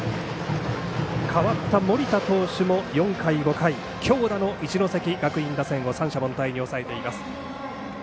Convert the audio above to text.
代わった森田投手も４回、５回強打の一関学院打線を三者凡退に抑えています。